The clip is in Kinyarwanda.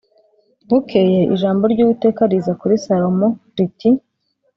Bukeye ijambo ry’Uwiteka riza kuri Salomo riti